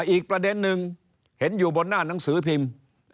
อีกประเด็นหนึ่งเห็นอยู่บนหน้าหนังสือพิมพ์